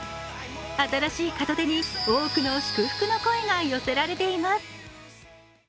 新しい門出に多くの祝福の声が寄せられています。